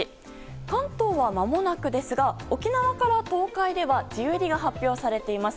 関東はまもなくですが沖縄から東海では梅雨入りが発表されています。